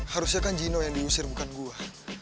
harusnya kan gino yang diusir bukan gua